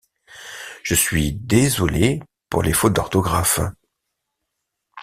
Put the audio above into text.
je suis désolé pour les fautes d'orthographes